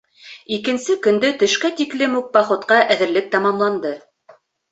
Икенсе көндө төшкә тиклем үк походҡа әҙерлек тамамланды.